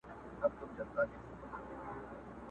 دا آخره زمانه ده په پیمان اعتبار نسته.!